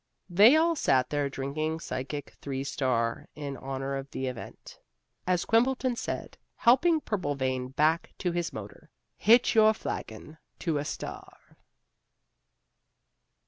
They all sat their drinking psychic Three Star in honor of the event. As Quimbleton said, helping Purplevein back to his motor "Hitch your flagon to a Star."